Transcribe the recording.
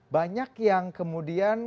banyak yang kemudian